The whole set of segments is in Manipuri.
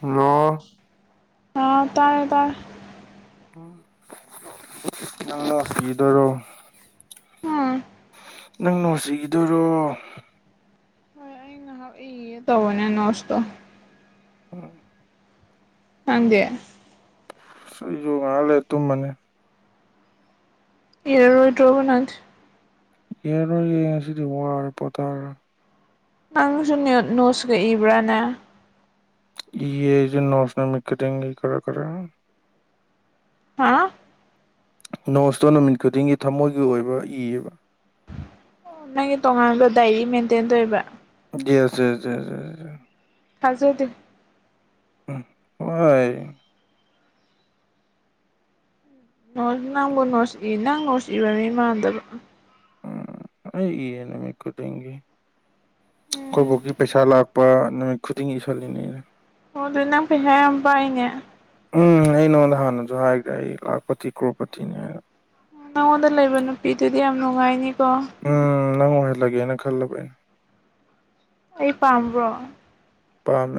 ꯍꯜꯂꯣ ꯑ ꯇꯥꯏꯦ ꯇꯔ ꯅꯪꯅ ꯀꯤꯗꯣꯏꯔꯣ ꯑꯥ ꯅꯪ ꯅꯨꯡꯁꯤꯈꯤꯗꯣꯏꯔꯣ ꯌꯦ ꯇꯧꯕꯅꯦ ꯅꯣꯁꯇꯣ ꯎꯝ ꯅꯪꯗꯦ ꯣꯂꯦ ꯇꯨꯅꯤ ꯏꯔꯔꯣꯏ ꯔꯘꯨꯅꯥꯊ ꯌꯦꯅꯣꯏ ꯌꯦꯡꯁꯤꯗꯤ ꯋꯥꯔ ꯄꯊꯥꯔ ꯅꯪꯁꯨꯨꯅ ꯅꯣꯁꯒ ꯏꯕ꯭ꯔꯥꯅ ꯏꯖ ꯅꯣꯁꯅꯃꯤ ꯀꯇ ꯈꯔ ꯈꯔ ꯍꯥ ꯅꯣꯁꯇꯣ ꯅꯨꯃꯤꯠ ꯈꯨꯗꯤꯡꯒꯤ ꯊꯃꯣꯏꯒꯤ ꯑꯣꯏꯕ ꯏꯌꯦꯕ ꯑꯣ ꯅꯪꯒꯤ ꯇꯣꯉꯥꯟꯕ ꯗꯥꯏꯔꯤ ꯃꯦꯟꯇꯦꯟ ꯇꯧꯕ ꯌꯦꯁꯦꯦ ꯊꯖꯗꯤ ꯍꯣꯏ ꯅꯪꯕꯨ ꯅꯣꯠꯁꯤꯏ ꯅꯪ ꯅꯣꯠꯁꯤꯏꯕ ꯃꯤ ꯃꯥꯟꯗꯕ ꯎꯝ ꯑꯩ ꯏꯅꯃꯤ ꯀꯗꯦꯟꯒꯦ ꯑꯩꯈꯣꯏ ꯎꯝ ꯐꯧꯒꯤ ꯄꯩꯁꯥ ꯂꯥꯛꯄ ꯅꯨꯃꯤꯠ ꯈꯨꯗꯤꯡꯒꯤ ꯏꯁ ꯁꯜꯂꯤꯅꯤꯅ ꯑꯣ ꯑꯗꯨ ꯅꯪ ꯄꯩꯁꯥ ꯌꯥꯝ ꯄꯥꯏꯅꯦ ꯎꯝ ꯑꯩꯩꯅꯉꯗ ꯍꯅ ꯖ ꯍꯥꯏ꯭ꯔ ꯑꯩ ꯂꯥꯛꯄꯇꯤ ꯀ꯭ꯔꯣꯄꯇꯤꯅꯦ ꯅꯪꯉꯣꯟꯗ ꯂꯩꯕ ꯅꯨꯄꯤꯗꯨꯗꯤ ꯌꯥꯝ ꯅꯨꯡꯉꯥꯏꯅꯤꯀꯣ ꯎꯝ ꯅꯪ ꯑꯣꯏꯍꯜꯂꯒꯦꯅ ꯈꯜꯂꯕ ꯑꯩꯅ ꯑꯩ ꯄꯝ ꯔ꯭ꯔꯣ ꯄꯝ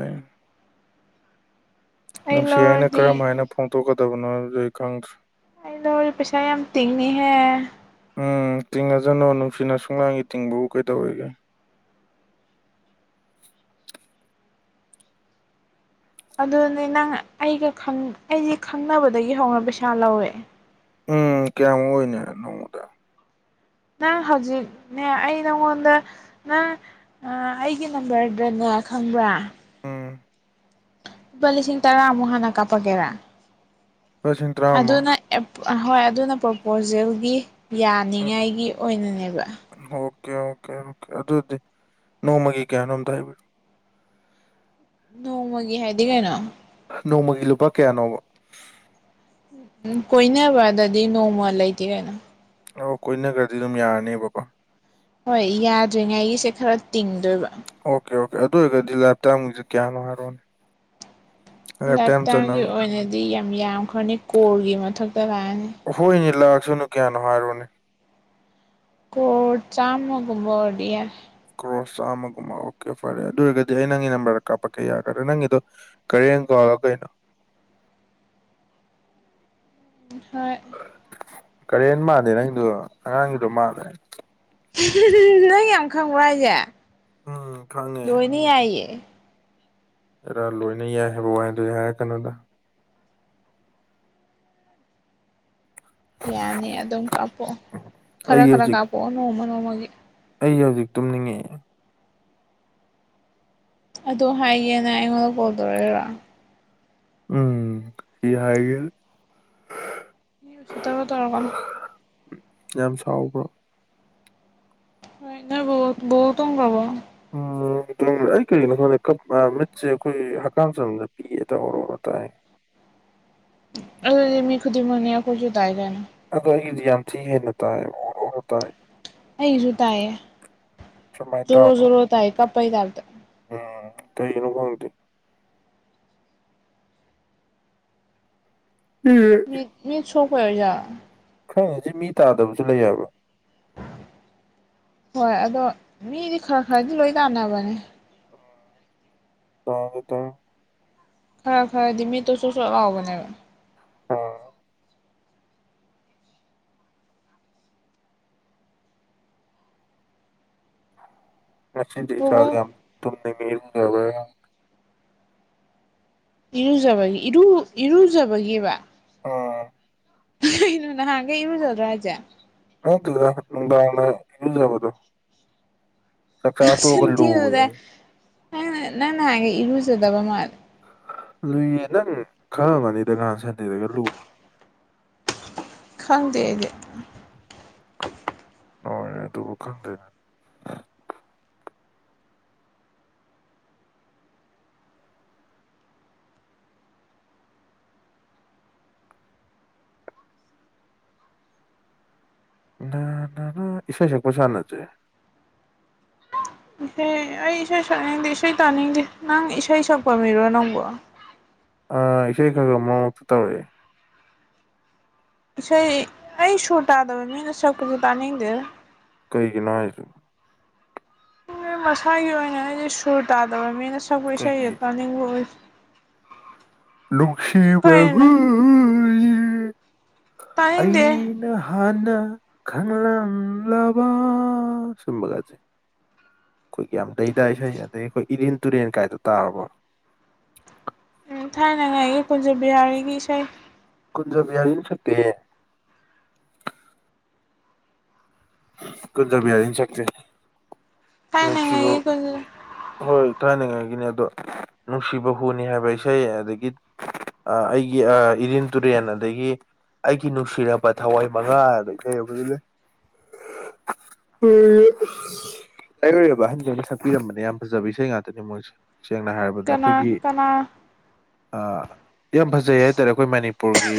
ꯑꯩ ꯅꯨꯡꯁꯤ ꯑꯩꯅ ꯂꯧꯔꯗꯤ ꯀꯔꯝ ꯍꯥꯏꯅ ꯐꯣꯡꯗꯣꯛꯀꯗꯕꯅꯣꯕꯗꯤ ꯈꯪꯗ꯭ꯔꯦ ꯑꯩꯩꯅꯣ ꯍꯖꯤ ꯄꯩꯁꯥ ꯌꯥꯝ ꯇꯤꯡꯅꯤꯍꯦ ꯎꯝ ꯇꯤꯡꯉꯁꯅꯨ ꯅꯨꯡꯁꯤꯅ ꯁꯨꯡꯅꯥꯥꯡꯒꯤ ꯇꯤꯡꯕꯕꯨ ꯀꯩꯗꯧꯋꯒꯦ [inaudible] ꯑꯗꯨꯅꯤ ꯅꯪ ꯑꯩꯒ ꯑꯩꯁ ꯈꯪꯅꯕꯗꯒꯤ ꯍꯧꯅ ꯄꯩꯁꯥ ꯂꯧꯋꯦ ꯎꯝ ꯀꯌꯥꯝ ꯑꯣꯏꯣꯏꯅꯦ ꯅꯃꯨꯗ ꯅꯪ ꯍꯧꯖꯤꯛꯅꯦ ꯑꯩ ꯅꯪꯉꯣꯟꯗ ꯅꯪ ꯑꯩꯒꯤ ꯅꯝꯕꯔꯗꯅꯦ ꯉ ꯈꯪꯕ꯭ꯔꯥ ꯎꯝ ꯂꯨꯄꯥ ꯂꯤꯁꯤꯡ ꯇꯔꯥ ꯑꯃꯨꯛ ꯍꯥꯟꯅ ꯀꯥꯞꯄꯒꯦꯔꯥ ꯄꯁꯤꯟ ꯇ꯭ꯔꯥꯃ ꯑꯗꯨꯅ ꯍꯣꯏ ꯑꯗꯨꯅ ꯄ꯭ꯔꯣꯄꯣꯖꯦꯜꯒꯤ ꯌꯥꯅꯤꯉꯥꯏꯒꯤ ꯑꯣꯏꯅꯅꯦꯕ ꯑꯣ ꯑꯣꯦ ꯑꯣꯦ ꯑꯗꯨ ꯑꯗꯨꯗꯤ ꯅꯣꯡꯃꯒꯤ ꯀꯍꯅ ꯍꯗ ꯅꯣꯡꯃꯒꯤ ꯍꯥꯏꯗꯤ ꯀꯩꯅꯣ ꯅꯣꯡꯃꯒꯤ ꯂꯨꯄꯥ ꯀꯌꯥꯅꯣꯕ ꯎꯝ ꯀꯣꯏꯅꯕꯗꯗꯤ ꯅꯣꯡꯃ ꯂꯩꯇꯦ ꯀꯥꯏꯅꯣ ꯑ ꯀꯣꯏꯅꯈ꯭ꯔꯗꯤ ꯑꯗꯨꯝ ꯌꯥꯔꯅꯦꯕꯀꯣ ꯍꯣꯏ ꯌꯥꯗ꯭ꯔꯤꯉꯩꯒꯤꯁꯦ ꯈꯔ ꯇꯤꯡꯗꯣꯏꯕ ꯑꯣꯀꯦ ꯑꯣꯀꯦ ꯑꯗꯨ ꯑꯣꯏꯔꯒꯗꯤ ꯂꯥꯏꯞ ꯇꯃꯁꯦ ꯀꯌꯥꯅꯣ ꯍꯥꯏꯔꯣꯅꯦ ꯂꯥꯏꯞ ꯇꯥꯏꯝ ꯇꯥꯏꯝꯒꯤ ꯆꯠꯅꯕ ꯑꯣꯏꯅꯗꯤ ꯌꯥꯝ ꯌꯥꯝꯈ꯭ꯔꯅꯤ ꯀꯣꯔꯒꯤ ꯃꯊꯛꯇ ꯂꯥꯛꯑꯅꯤ ꯁꯨꯅꯨ ꯀꯌꯥ ꯅꯍꯣꯏ ꯔꯅꯤꯅꯦ ꯀꯣꯠ ꯆꯥꯒꯨꯝꯕꯗꯤ ꯆꯃꯒꯨꯝ ꯑꯣꯀꯦ ꯐꯔꯦ ꯑꯗꯨ ꯑꯣꯏꯔꯒꯗꯤ ꯑꯩ ꯅꯪꯒꯤ ꯅꯝꯕꯔꯗ ꯀꯥꯞꯄꯛꯀꯦ ꯌꯥꯒꯗ꯭ꯔꯥ ꯅꯪꯒꯤꯗꯣ ꯀꯔꯤ ꯀꯣ ꯀꯅ ꯍꯣꯏ ꯀꯔꯦꯟ ꯃꯥꯥꯟꯗꯦ ꯅꯪꯗꯣ ꯑꯉꯥꯡꯒꯤꯗꯣ ꯃꯥꯜꯂ꯭ꯔꯦ ꯅꯪ ꯌꯥꯝ ꯈꯪꯕ꯭ꯔꯥ ꯍꯥꯏꯁꯦ ꯎꯝ ꯈꯪꯉꯦ ꯂꯣꯏꯅ ꯌꯥꯏꯌꯦ ꯔꯥ ꯂꯣꯏꯅ ꯌꯥꯏ ꯍꯥꯏꯕ ꯋꯥꯏꯗꯣ ꯌꯥ ꯍꯥꯏꯔ ꯀꯩꯅꯣꯗ ꯌꯥꯅꯤ ꯑꯗꯨꯝ ꯀꯥꯞꯄꯣꯛꯑꯣ ꯈꯔ ꯑꯩ ꯈꯔ ꯍꯧꯖꯤꯛ ꯀꯥꯞꯄꯣꯛꯑꯣ ꯅꯣꯡꯃ ꯅꯣꯡꯃꯒꯤ ꯑꯩ ꯍꯧꯖꯤꯛ ꯇꯨꯝꯅꯤꯡꯉꯛꯑꯦ ꯑ ꯍꯥꯏꯒꯦꯅ ꯑꯩꯉꯣꯟꯗ ꯀꯣꯜ ꯇꯧꯔꯛꯏꯔꯥ ꯎꯝ ꯍ ꯍꯥꯏꯒ ꯎꯆ ꯇꯔ ꯇꯔꯀꯅ ꯌꯥꯝ ꯁꯥꯎꯕ꯭ꯔꯣ ꯏꯩꯅ ꯣꯠ ꯍꯣꯡꯒꯥꯕꯣ ꯎꯝꯝ ꯑꯩ ꯀꯔꯤꯒꯤꯅꯣ ꯈꯪꯗ ꯀ ꯃꯤꯠꯁꯦ ꯑꯩꯈꯣꯏ ꯍꯛꯀꯝ ꯆꯝꯗ ꯄꯤꯌꯦ ꯇꯧꯔꯣ ꯇꯥꯏ ꯃꯤ ꯈꯨꯗꯤ ꯃꯅꯤ ꯑꯩ ꯀꯣꯏꯁꯨꯨꯗꯥꯥꯏꯒꯅꯤ ꯑꯗꯏꯗꯤꯌꯥ ꯌꯥꯝꯁꯤ ꯍꯦꯟꯅꯇꯥꯇꯥ ꯑꯩꯁꯨ ꯇꯑ ꯁꯨꯃꯥꯏ ꯇꯥꯕ ꯔ ꯔ ꯇꯥꯏ ꯀꯄꯩ ꯇꯥꯔ ꯇ ꯎꯝ ꯀ ꯌꯨꯅꯤꯐꯣꯝꯗꯤ ꯎꯝ ꯁꯐꯣ ꯌꯥ ꯈꯪꯉꯦꯁꯤ ꯃꯤ ꯇꯥꯗꯕꯁꯨ ꯂꯩ ꯍꯥꯏꯕ ꯍꯣꯏ ꯑꯗꯣ ꯃꯤꯗꯤ ꯈꯔ ꯈꯔꯗꯤ ꯂꯣꯏ ꯇꯥꯟꯅꯕꯅꯦ ꯇꯥꯇꯥ ꯈꯔ ꯈꯔꯗꯤꯃꯤ ꯇꯁꯨꯁꯨ ꯂꯑꯣꯕꯅꯦꯕ ꯕꯣꯕꯣꯛ ꯃꯁꯦꯥꯒ ꯇꯨꯝꯅ ꯃꯔꯒꯕ ꯏꯔꯨꯖꯕꯒꯤ ꯏꯔꯨ ꯏꯔꯨꯖꯕꯒꯤꯕ ꯑꯣ ꯏꯅ ꯍꯦ ꯏꯎꯗꯜ ꯔꯥꯖꯥ ꯉꯇꯂ ꯏꯅ ꯏꯖꯕꯗꯣ ꯆ ꯆꯥꯇ ꯈ ꯂꯗꯥꯏ ꯅꯪꯦ ꯏꯔꯨꯁꯦꯗꯕ ꯃꯥꯅꯦ ꯂꯨꯏꯌꯦ ꯅꯪ ꯈꯪꯒꯅꯤꯗ ꯉꯔꯥꯟ ꯁꯟꯗꯦꯗꯒ ꯂꯨꯕꯗꯣ ꯈꯪꯗꯦꯗꯤ ꯅꯅꯦ ꯑꯗꯨꯕꯨ ꯈꯪꯗꯅꯦ ꯅ ꯅ ꯏꯁꯁ ꯄꯣꯁꯥꯅꯆꯦ ꯏꯁꯩ ꯑꯩ ꯏꯁꯩ ꯁꯛꯅꯤꯡꯗꯦ ꯏꯁꯩ ꯇꯥꯅꯤꯡꯗꯦ ꯅꯪ ꯏꯁꯩ ꯁꯛꯄ ꯃꯤꯔꯣ ꯅꯪꯕꯣ ꯑ ꯏꯁꯩ ꯈꯔꯒ ꯃꯡꯛꯇ ꯇꯧꯔꯤꯦ ꯏꯁꯩ ꯑꯩ ꯁꯨꯔ ꯇꯥꯗꯕ ꯃꯤꯅ ꯁꯛꯄꯁꯨ ꯇꯥꯅꯤꯡꯗꯦ ꯀꯩꯒꯤꯅꯥꯁꯨ ꯃꯁꯥꯒꯤ ꯑꯣꯏꯅ ꯑꯩꯗꯤ ꯁꯨꯔ ꯇꯥꯗꯕ ꯃꯤꯅ ꯁꯛꯄ ꯏꯁꯩꯁꯦ ꯑꯩꯈꯣꯏꯒꯤ ꯇꯥꯅꯤꯡꯕ ꯑꯣꯏꯁ ꯅꯨꯡꯁꯤꯕ ꯍꯨ ꯀꯩꯅꯣ ꯇꯥꯅꯤꯡꯗꯦ ꯑꯩꯅ ꯍꯥꯟꯅ ꯈꯕ ꯁꯨꯝꯕꯒꯁꯦ ꯑꯩꯈꯣꯏꯒꯤ ꯌꯥꯝ ꯂꯩꯗꯥ ꯏꯁꯩ ꯑꯗꯗꯒꯤ ꯑꯩꯈꯣꯏ ꯏꯔꯦꯟ ꯇꯨꯔꯦꯟ ꯀꯥꯏꯗ ꯇꯥꯔꯕꯣ ꯊꯥꯏꯅꯉꯥꯏ ꯑꯩꯒꯤ ꯀꯨꯟꯖ ꯕꯤꯍꯥꯔꯤꯒꯤ ꯏꯁꯩ ꯀꯨꯟꯖꯕꯤꯌꯥꯔꯤꯅ ꯁꯠꯇꯦ ꯀꯟꯗꯔ ꯤ ꯌꯥꯗꯤꯅ ꯁꯛꯇ ꯅꯨꯡꯁꯤꯕ ꯊꯥꯏꯅꯉꯥꯏꯒꯤ ꯀꯨꯟꯖ ꯍꯣꯏ ꯀꯥꯏꯅꯤꯡꯉꯥꯏ ꯒꯤꯅꯤ ꯑꯗꯣ ꯅꯨꯡꯁꯤꯕ ꯍꯨꯅꯤ ꯍꯥꯏꯕ ꯏꯁꯩ ꯑꯗꯒꯤ ꯑ ꯑꯩꯒꯤ ꯑ ꯏꯗꯤꯟ ꯇꯨꯔꯦꯟ ꯑꯗꯒꯤ ꯑꯩꯒꯤ ꯅꯨꯡꯁꯤꯔꯕ ꯊꯋꯥꯏ ꯃꯉꯥꯩ ꯂꯩ ꯑꯩꯔꯣꯏꯕ ꯑꯍꯟꯖꯅ ꯁꯛꯄꯤꯔꯝꯕꯅꯦ ꯌꯥꯝ ꯐꯖꯕ ꯏꯁꯩ ꯉꯥꯛꯇꯅꯦ ꯃꯣꯏꯁꯦ ꯁꯦꯡꯅ ꯍꯥꯏꯔꯕꯗ ꯀꯅꯥ ꯑꯩꯈꯣꯏꯒꯤ ꯀꯅꯥ ꯌꯥꯝ ꯐꯖꯩ ꯍꯥꯏꯇꯥꯔꯦ ꯑꯩꯈꯣꯏ ꯃꯅꯤꯄꯨꯔꯒꯤ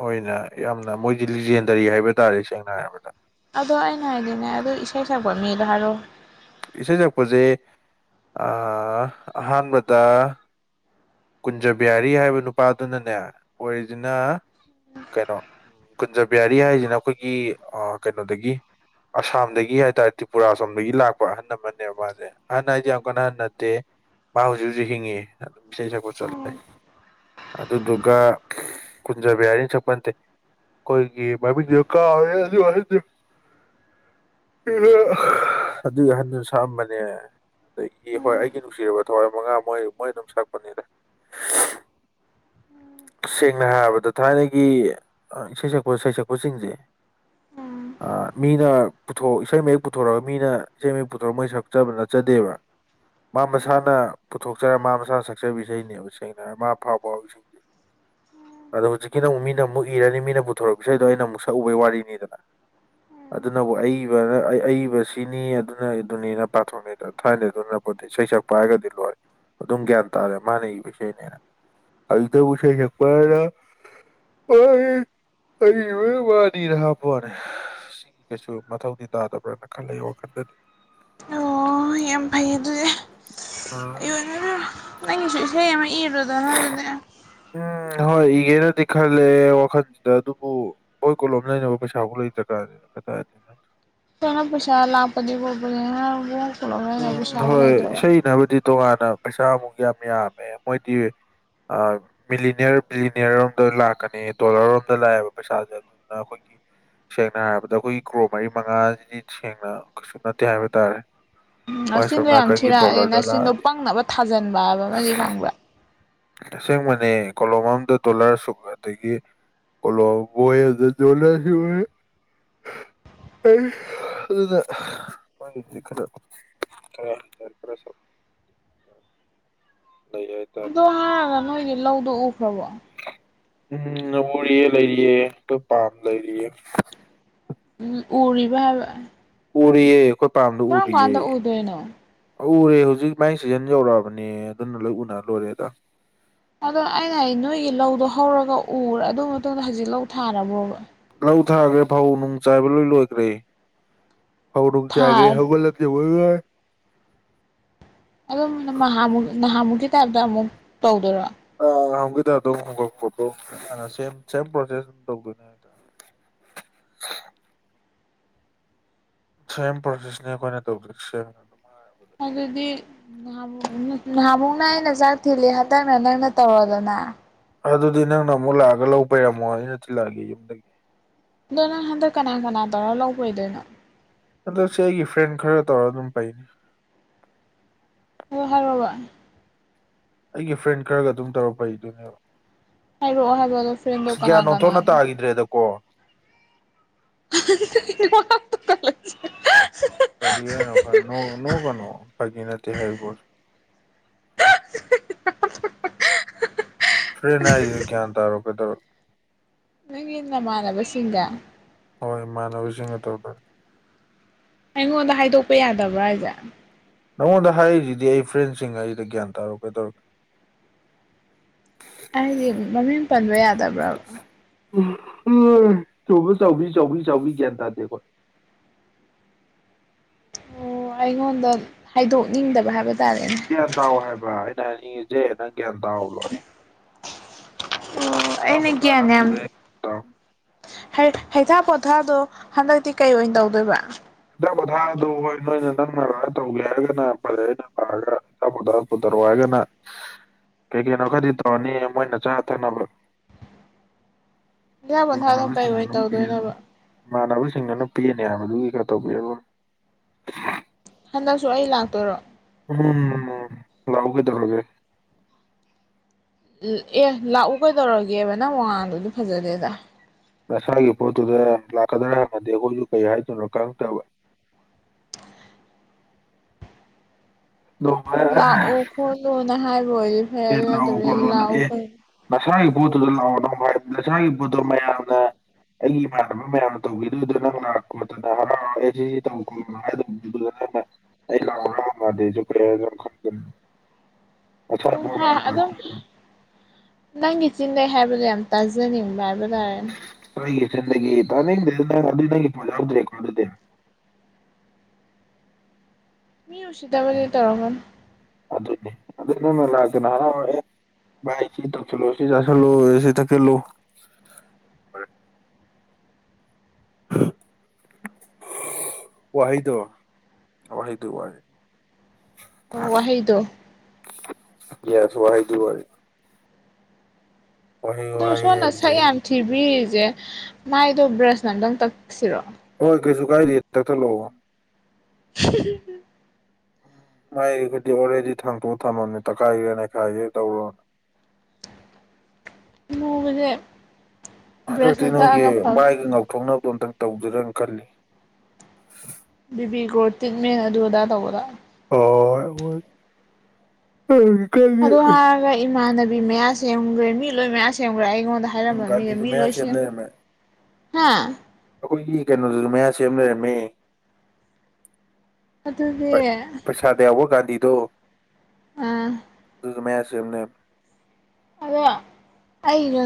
ꯑꯣꯏꯅ ꯌꯥꯝꯅ ꯃꯣꯏꯗꯤ ꯂꯤꯖꯦꯟꯗꯔꯤ ꯍꯥꯏꯕ ꯇꯥꯔꯦ ꯁꯦꯡꯅ ꯍꯥꯏꯔꯕꯗ ꯑꯗꯣ ꯑꯩꯅ ꯍꯥꯏꯗꯤꯅꯦ ꯑꯗꯨ ꯏꯁꯩ ꯁꯛꯄ ꯃꯤꯗ ꯍꯥꯏꯔꯣ ꯏꯁꯩ ꯁꯛꯄꯁꯦ ꯑꯍꯥꯟꯕꯗ ꯀꯨꯟꯖꯕꯤꯍꯔꯤ ꯍꯥꯏꯕ ꯅꯨꯄꯥꯗꯨꯅꯅꯦ ꯑꯣꯏꯔꯤꯁꯤꯅ ꯀꯩꯅꯣ ꯎ ꯀꯨꯟꯖꯕꯤꯍꯥꯔꯤ ꯍꯥꯏꯔꯤꯁꯤꯅ ꯑꯩꯈꯣꯏꯒꯤ ꯀꯩꯅꯣꯗꯒꯤ ꯑꯁꯥꯝꯗꯒꯤ ꯍꯥꯏꯇꯥꯔꯦ ꯇ꯭ꯔꯤꯄꯨꯔꯥ ꯑꯁꯣꯝꯗꯒꯤ ꯂꯥꯛꯄ ꯑꯍꯟ ꯑꯃꯅꯦꯕ ꯃꯥꯁꯦ ꯑꯍꯟ ꯍꯥꯏꯁꯦ ꯌꯥꯝ ꯀꯥꯟꯅꯍꯟꯅꯗꯦ ꯃꯥ ꯍꯧꯖꯤꯛ ꯍꯧꯖꯤꯛ ꯍꯤꯡꯉꯤ ꯑꯗꯨꯝ ꯏꯁꯩ ꯁꯛꯄ ꯆꯠꯂ ꯑꯗꯨꯗꯨꯒ ꯀꯨꯟꯖꯕꯤꯌꯥꯔꯤꯅ ꯆꯄꯟꯗꯦ ꯀꯣꯏꯒꯤ ꯃꯀꯥ ꯑꯗꯨꯒꯤ ꯑꯍꯟꯗꯨ ꯁꯥꯝꯕꯅꯦ ꯑꯗꯒꯤ ꯍꯣꯏ ꯑꯩꯒꯤ ꯅꯨꯡꯁꯤꯔꯕ ꯊꯋꯥꯏ ꯃꯉꯥ ꯃꯣꯏ ꯃꯣꯏ ꯑꯗꯨꯝ ꯁꯛꯄꯅꯤꯗ ꯁꯦꯡꯅ ꯍꯥꯏꯔꯕꯗ ꯊꯥꯏꯅꯒꯤ ꯏꯁꯩ ꯁꯛꯄ ꯁꯩꯁꯛꯄꯁꯤꯡꯁꯦ [inaudible] ꯑ ꯃꯤꯅ ꯄꯨꯊ ꯏꯁꯩ ꯃꯌꯦꯛ ꯄꯨꯊꯣꯔꯛꯒ ꯃꯤꯅ ꯏꯁꯩ ꯃꯌꯦꯛ ꯄꯨꯊꯣꯔꯒ ꯃꯣꯏ ꯁꯛꯆꯕ ꯅꯠꯆꯗꯦꯕ ꯃꯥ ꯃꯁꯥꯅ ꯄꯨꯊꯣꯛꯆꯔ ꯃꯥ ꯃꯁꯥꯅ ꯁꯛꯆꯕꯤ ꯏꯁꯩꯅꯦꯕ ꯁꯦꯡꯅꯔꯒ ꯃꯥ ꯐꯥꯎ ꯐꯥꯎꯁꯤꯡ [inaudible] ꯑꯗꯣ ꯍꯧꯖꯤꯛꯀꯤ ꯅ ꯑꯃꯨꯛ ꯃꯤꯅ ꯑꯃꯨꯛ ꯏꯔꯅꯤ ꯃꯤꯅ ꯄꯨꯊꯣꯔꯛꯄ ꯏꯁꯩꯩꯗꯣ ꯑꯩꯅ ꯑꯃꯨꯛ ꯁꯛꯎꯕꯩ ꯋꯥꯔꯤꯅꯤꯗꯅ ꯑꯗꯨꯅꯕꯨ ꯑꯏꯕꯅ ꯑꯏꯕꯁꯤꯅꯤ ꯑꯗꯨꯅ ꯑꯗꯨꯅꯤꯅ ꯄꯥꯊꯣꯛꯅꯦ ꯊꯥꯏꯅꯩ ꯑꯗꯨꯅ ꯁꯩꯁꯛꯄ ꯍꯥꯏꯔꯒꯗꯤ ꯂꯣꯏꯔꯦ ꯑꯗꯨꯝ ꯒ꯭ꯌꯥꯟ ꯇꯥꯔꯦ ꯃꯥꯅ ꯏꯕꯅꯦꯅ ꯑꯩ ꯏꯗ ꯄꯁꯦꯁꯦꯦꯛꯄ ꯑ ꯑ ꯃꯥꯅꯤ ꯔ ꯋꯥꯅꯦ ꯁꯤꯒꯤ ꯀꯩꯁꯨ ꯃꯊꯧꯗꯤ ꯇꯥꯗꯕ꯭ꯔꯅ ꯈꯜꯂꯦ ꯋꯥꯈꯟꯗꯗꯤ ꯍꯣꯏꯣꯏ ꯌꯥꯝ ꯐꯩ ꯑꯗꯨꯗꯤ ꯑ ꯑꯩꯣꯟꯁꯨ ꯅꯪꯒꯤꯁꯨ ꯏꯁꯩ ꯑꯃ ꯏꯔ ꯭ꯔꯙ ꯑꯗꯨꯅ ꯎꯝ ꯍꯣꯏ ꯏꯒꯦꯅꯗꯤ ꯈꯜꯂꯦ ꯋꯥꯈꯟꯁꯤꯗ ꯑꯗꯨꯕꯨ ꯍꯣꯏ ꯀꯣꯂꯣꯝ ꯂꯩꯅꯕ ꯄꯩꯁꯥꯐꯥꯎ ꯂꯩꯇ꯭ꯔꯀꯥꯟꯅꯤꯗ ꯀꯗ ꯅꯅ ꯄꯩꯁꯥ ꯂꯥꯛꯄꯗꯤ ꯈꯣꯠꯄꯅꯤꯕꯨ ꯀꯂꯣ ꯎꯝ ꯄꯩꯁꯥꯕꯨ ꯂꯩꯇꯕ ꯄꯩꯁꯥ ꯑꯃꯨꯒ ꯑꯃ ꯌꯥ ꯑꯃꯃꯦ ꯃꯣꯏꯗꯤ ꯃꯤꯅꯤꯌꯔ ꯕꯤꯂꯤꯅꯤꯌꯔꯣꯝꯗ ꯂꯥꯛꯀꯅꯤ ꯗꯣꯂꯔꯔꯣꯝꯗ ꯂꯥꯛꯑꯦꯕ ꯄꯩꯁꯥꯁꯦ ꯑꯗꯨꯗꯨꯅ ꯑꯩꯈꯣꯏꯒꯤ ꯁꯦꯡꯅ ꯍꯥꯏꯔꯕꯗ ꯑꯩꯈꯣꯏꯒꯤ ꯀ꯭ꯔꯣ ꯃꯔꯤ ꯃꯉꯥꯁꯤꯗꯤ ꯁꯦꯡꯅ ꯀꯩꯁꯨ ꯅꯠꯇꯦ ꯍꯥꯏꯕ ꯇꯥꯔꯦ ꯎ ꯃꯣꯏ ꯅꯆꯤꯟꯗꯣ ꯑꯁꯣꯝ ꯌꯥꯝ ꯅꯥꯀꯟꯒꯤ ꯊꯤꯔꯛꯑꯅꯤꯦ ꯗꯣꯂꯔꯗ ꯅꯆꯤꯟꯗꯣ ꯂꯥꯛꯑꯗꯤ ꯄꯪꯅꯕ ꯊꯥꯖꯤꯟꯕ ꯍꯥꯏꯕ ꯑꯃꯗꯤ ꯈꯪꯕ꯭ꯔꯥ ꯇꯁꯦꯡꯕꯅꯦ ꯀꯣꯂꯣꯝ ꯑꯝꯗ ꯗꯣꯂꯔ ꯁꯨꯛ ꯑꯗꯒꯤ ꯀꯂꯣ ꯕꯣꯗ ꯆꯂꯁꯤ ꯑꯦ ꯑꯗꯨꯅ ꯇꯔꯔ ꯁ ꯑꯗꯣ ꯍꯥꯏꯔꯒ ꯅꯣꯏꯒꯤ ꯂꯧꯗꯣ ꯎꯈ꯭ꯔꯕꯣ ꯎꯝ ꯎꯔꯤꯌꯦ ꯂꯩꯔꯤꯌꯦ ꯑꯩꯣꯏ ꯄꯥꯝ ꯂꯩꯔꯤꯌꯦ ꯎꯝ ꯎꯔꯤꯕꯔꯤꯕꯕ ꯎꯔꯤꯑꯌꯦ ꯀ ꯇꯥꯟꯗꯨ ꯎꯔꯤꯑꯌꯦ ꯎꯗꯣꯏꯅꯣ ꯎꯔꯦ ꯍꯧꯖꯤꯛ ꯃꯥꯏ ꯁꯤꯖꯟ ꯌꯧꯔꯛꯑꯕꯅꯦ ꯑꯗꯨꯅ ꯂꯣꯏ ꯎꯅꯔ ꯂꯣꯏꯔꯦꯗ ꯑꯗꯣ ꯑꯩꯅ ꯅꯣꯏꯒꯤ ꯂꯧꯗꯣ ꯍꯧꯔꯒ ꯎꯔꯦ ꯑꯗꯨ ꯃꯇꯨꯡꯗ ꯍꯧꯖꯤꯛ ꯂꯧ ꯊꯥꯔꯕ꯭ꯔꯣꯕ ꯇꯧ ꯊꯥꯈ꯭ꯔꯦ ꯐꯧ ꯅꯨꯡ ꯆꯥꯏꯕ ꯂꯣꯏ ꯂꯣꯏꯈ꯭ꯔꯦ ꯐꯧꯔꯣꯡ ꯆ ꯍꯥꯏꯒꯦ ꯊꯥ ꯍꯧꯒꯜꯂꯦ ꯑꯣꯏ ꯑꯗꯨ ꯇꯥꯏꯞꯇ ꯑꯃꯨꯛ ꯇꯧꯗꯣꯏꯔꯣ ꯑ ꯍꯧꯦꯗ ꯑꯗꯨꯝ ꯍꯧꯣꯡꯀꯛꯄ ꯁꯦꯝ ꯁꯦꯝ ꯄ꯭ꯔꯣꯁꯦꯁ ꯑꯗꯨꯝ ꯇꯧꯗꯣꯏꯅꯦ ꯍꯥꯏꯗ [inaudible] ꯁꯦꯝ ꯄꯔꯁꯤꯁꯅꯦ ꯀꯣꯏꯅ ꯇꯧꯕꯔ ꯁꯦꯝ ꯑꯗꯨꯗꯤ ꯅꯍ ꯅꯍꯥꯃꯨꯛꯅ ꯑꯩꯅ ꯆꯥꯛ ꯊꯤꯜꯂꯤ ꯍꯇꯥꯡꯅ ꯅꯪꯅ ꯇꯧꯔꯗꯅ ꯑꯗꯨꯗꯤ ꯅꯪꯅ ꯑꯃꯨꯛ ꯂꯥꯛꯑꯒ ꯂꯧꯕꯩꯔꯝꯃꯣ ꯑꯩꯅ ꯊꯤꯜꯂꯛꯑꯒꯦ ꯌꯨꯝꯗꯒꯤ ꯑꯗꯣ ꯅꯪ ꯍꯟꯗꯛ ꯀꯅꯥ ꯀꯅꯥ ꯇꯧꯔ ꯂꯧꯕ ꯑꯣꯏꯗꯣꯏꯅꯣ ꯑꯗꯣ ꯁꯤ ꯑꯩꯒꯤ ꯐ꯭ꯔꯦꯟ ꯈꯔ ꯇꯧꯔ ꯑꯗꯨꯝ ꯄꯩꯅꯤ ꯍ ꯍ ꯑꯩꯒꯤ ꯐ꯭ꯔꯦꯟ ꯈꯔꯒ ꯑꯗꯨꯝ ꯇꯧꯔꯛꯄꯩꯗꯨꯣꯏꯅꯦꯕ ꯍꯥꯏꯔꯛꯑꯣ ꯍꯥꯏꯕ ꯑꯗꯣ ꯐ꯭ꯔꯦꯟꯗꯣ ꯑꯁ ꯒ꯭ꯌꯥꯟ ꯀꯅꯥ ꯅꯣꯟꯊꯣꯛꯅ ꯀꯅꯥꯅꯣ ꯇꯥꯈꯤꯗ꯭ꯔꯦꯗꯀꯣ ꯂꯩ ꯄꯅꯀꯥꯟ ꯅ ꯅꯣꯡ ꯀꯅꯣ ꯐꯒꯤꯅꯥ ꯇ ꯍꯥꯏꯔꯤꯕ [inaudible] [unintelligible] [inaudible] [unintelligible] ꯐꯔꯤꯅ ꯀ꯭ꯌꯥꯟ ꯇꯥꯔꯣ ꯀ ꯇꯧꯣ ꯅ ꯏ ꯃꯥꯅꯕꯁꯤꯒ ꯍꯣꯏ ꯏꯃꯥꯟꯅꯕꯁꯤꯡꯒ ꯇꯧ ꯇꯒꯦ ꯑꯩꯉꯣꯟꯗ ꯍꯥꯏꯗꯣꯛꯄ ꯌꯥꯗꯕ꯭ꯔꯥ ꯍꯥꯏꯁꯦ ꯅꯪꯉꯣꯟꯗ ꯍꯥꯏꯔꯤꯁꯤꯗꯤ ꯑꯩ ꯐ꯭ꯔꯦꯟꯁꯤꯡ ꯑꯩꯗ ꯒ꯭ꯌꯥꯟ ꯇꯥꯔꯛꯀꯦ ꯇꯧꯔꯛꯀꯦ ꯑꯩꯗꯤ ꯃꯃꯤꯡ ꯄꯟꯕ ꯌꯥꯗꯕ꯭ꯔꯕ ꯎ ꯎꯝ ꯁꯨꯕ ꯆꯥꯎꯕꯤ ꯆꯥꯎꯕꯤ ꯆꯕꯤ ꯒ꯭ꯌꯥꯟ ꯇꯥꯗꯦꯀꯣ ꯑꯣ ꯑꯩꯉꯣꯟꯗ ꯍꯥꯏꯗꯣꯛꯅꯤꯡꯗꯕ ꯍꯥꯏꯕ ꯇꯥꯔꯦꯅꯦ ꯒ꯭ꯌꯥꯟ ꯇꯥ ꯍꯥꯏꯕ ꯑꯩꯅ ꯑꯅꯤꯖꯦ ꯅꯪ ꯒ꯭ꯌꯥꯟ ꯇꯥꯍ ꯂꯣꯏ ꯑꯣ ꯇꯥ ꯑꯩꯅ ꯅ ꯒ꯭ꯌꯥꯟ ꯌꯥꯝ ꯄꯔꯦ ꯍꯩꯊꯥ ꯄꯣꯊꯥꯗꯣ ꯍꯟꯗꯛꯇꯤ ꯀꯩ ꯑꯣꯏꯅ ꯇꯧꯗꯣꯏꯕ ꯏꯆꯥ ꯄꯣꯊꯥꯗꯨ ꯍꯣꯏ ꯅꯣꯏꯅ ꯅꯪꯅꯔ ꯇꯧꯒꯦ ꯍꯥꯏꯔꯒꯅ ꯐꯔꯦꯩꯅ ꯄꯥꯔꯒ ꯏꯆꯥ ꯄꯣꯊꯥ ꯄꯨꯊꯔꯛ ꯍꯥꯏꯒ ꯅ ꯀꯩ ꯀꯩꯅꯣ ꯈꯔꯗꯤ ꯇꯧꯔꯅꯤ ꯃꯣꯏꯅ ꯆꯥ ꯊꯛꯅꯕ ꯏꯊꯥ ꯄꯣꯟꯊꯥꯗꯣ ꯃꯥꯅꯕꯨꯁ ꯀꯩ ꯑꯣꯏꯅ ꯊꯅꯄꯤ ꯇꯧꯗꯣꯏꯅꯣꯕ ꯃꯥꯅꯕꯨ ꯁꯤꯡꯅꯅ ꯄꯤꯅꯦ ꯍꯥꯏꯕꯗꯨꯒꯤ ꯈꯔ ꯇꯧꯕꯤꯔꯒ ꯍꯟꯗꯛꯁꯨ ꯑꯩ ꯂꯥꯛꯇꯣꯏꯔꯣ ꯎꯝ ꯂꯎꯒꯦꯗ ꯂꯧꯒꯔꯦ ꯑꯦ ꯂꯥꯛꯎ ꯀꯩꯗꯧꯔꯒꯦꯕ ꯅꯪ ꯃꯉꯥꯜꯗꯨꯗꯤ ꯐꯖꯗꯦꯗ ꯅꯁꯥꯒꯤ ꯄꯣꯠꯇꯨꯗ ꯂꯥꯛꯀꯗ꯭ꯔꯥ ꯍꯥꯏꯃꯗꯤ ꯑꯩꯈꯣꯏꯁꯨ ꯀꯩ ꯍꯥꯏꯗꯣꯏꯅꯣ ꯈꯪꯗꯕ [inaudible] [unintelligible] ꯅꯣꯡꯃ ꯂꯥꯛꯎ ꯈꯣꯠꯂꯨꯅ ꯍꯥꯏꯕ ꯑꯣꯏꯗꯤ ꯐꯩ ꯑꯗꯨ ꯅꯠꯇꯕꯤꯗ ꯂꯥꯛꯎ ꯀꯩꯅꯣ ꯏꯁꯥꯒꯤ ꯄꯣꯠꯇꯨꯗ ꯂꯥꯛꯑꯣꯉ ꯁꯥꯒꯤ ꯄꯣꯠꯇꯣ ꯃꯌꯥꯝꯅ ꯑꯩ ꯏꯃꯥꯟꯅꯕ ꯃꯌꯥꯝ ꯇꯧꯈꯤꯗꯣꯏꯗꯨꯣ ꯅꯪ ꯅꯥꯔꯛꯄꯣꯠꯇꯅ ꯍꯔꯥꯎ ꯑꯩꯁꯤꯦ ꯇꯧꯈꯣꯅꯗꯧꯕꯗꯨ ꯑꯩ ꯂꯥꯎ ꯃꯥꯗꯤꯖ꯭ꯔꯦ ꯈꯟꯒ ꯝ ꯍꯥ ꯑꯗꯨꯝ ꯅꯪꯒꯤ ꯆꯤꯟꯟꯅꯩ ꯍꯥꯏꯕꯗꯣ ꯌꯥꯝ ꯇꯥꯖꯅꯤꯡꯕ ꯍꯥꯏꯕꯗ ꯑꯩꯒꯤ [unintelligible] ꯅꯪ ꯑꯗꯨꯗꯒꯤ ꯄꯣꯂ ꯌꯥꯎꯗ꯭ꯔꯦꯀ‌ꯣ ꯑꯗꯨꯗꯤ ꯃꯤ ꯎꯁꯤꯠꯇꯕꯗꯤ ꯇꯧꯔꯛꯀꯅ [unintelligible] ꯚꯥꯏ ꯁꯤ ꯇꯧꯁꯜꯂꯨ ꯁꯤ ꯆꯥꯁꯜꯂꯣ ꯁꯤ ꯊꯛꯆꯜꯂꯣ [inaudible] ꯋꯥꯍꯩꯗꯣ ꯋꯥꯍꯩꯗꯨ ꯋꯥꯟ ꯑꯣ ꯋꯥꯍꯩꯗꯣ ꯌꯥꯁ ꯋꯥꯍꯩꯗꯨ ꯋꯥꯔꯤꯟ ꯑꯗ‌ꯣ ꯁꯣꯟꯅ ꯁꯛ ꯍꯥꯏꯕꯁꯦ ꯌꯥꯝ ꯊꯤꯕꯤꯔꯤꯁꯦ ꯃꯥꯏꯗꯣ ꯕ꯭ꯔꯁꯅ ꯑꯝꯇꯪ ꯇꯛꯁꯤꯔꯣ ꯍꯣꯏ ꯀꯩꯁꯨ ꯀꯥꯏꯗ‌ꯦ ꯇꯛꯊꯠꯂ‌ꯛꯑꯣ [unintelligible] ꯎꯝ ꯃꯥꯏꯒꯗꯤ ꯑꯣꯜꯔꯦꯗꯤ ꯊꯥꯡꯇꯣꯛ ꯊꯝꯃꯅꯤ ꯇꯛꯈꯥꯏꯒ‌ꯦꯔꯥ ꯅ‌ꯦꯈꯥꯏꯒꯦꯔꯥ ꯇꯧꯔꯣ [inaudible] ꯃꯨꯕꯁ‌ꯦ ꯍꯟꯗꯛꯇꯤ ꯅꯣꯏꯒꯤ ꯃꯥꯏꯒꯤ ꯉꯥꯎꯊꯣꯛꯅꯕꯗꯣ ꯑꯝꯇꯪ ꯇꯧꯖꯤꯔꯅ ꯈꯜꯂꯤ ꯕꯤꯕꯤꯒꯣ ꯇꯤꯠꯃꯦꯟ ꯑꯗꯨ ꯑꯗꯥ ꯇꯧꯕꯥꯗ‌ꯣ ꯍꯣꯏ ꯍ‌ꯣ ꯍ‌ꯣꯏ ꯀꯩ ꯃꯤ ꯃꯌꯥ ꯁꯦꯝꯈ꯭ꯔꯦ ꯃꯤ ꯂꯣꯏ ꯃꯌꯥ ꯁꯦꯝꯈ꯭ꯔꯦ ꯑꯩꯉꯣꯟꯗ ꯎꯝ ꯍꯥꯏꯔꯝꯕ ꯃꯤꯒꯩ ꯒꯥꯟꯙꯤꯁꯨ ꯃꯤ ꯃꯌꯥ ꯂꯣꯏ ꯁꯦꯝ ꯂꯩꯔꯝꯃꯦ ꯍꯥꯥ ꯑꯩꯈꯣꯏꯒꯤ ꯀꯩꯅꯣꯗꯨꯁꯨ ꯃꯌꯥ ꯁꯦꯝ ꯂꯩꯔꯝꯃꯦ ꯑꯗꯨꯗꯤ ꯄꯩ ꯄꯩꯁꯥꯗ ꯌꯥꯎꯕ ꯒꯥꯟꯙꯤꯗ‌ꯣ ꯑꯡ ꯑꯗꯨ ꯃꯌꯥ ꯁ‌ꯦꯝ ꯂꯩꯔꯝꯃ ꯑꯗꯣ ꯑꯩꯒ